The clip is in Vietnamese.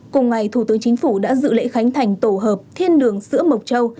cùng ngày thủ tướng chính phủ đã dự lễ khánh thành tổ hợp thiên đường sữa mộc châu